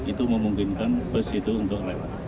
itu memungkinkan bus itu untuk lewat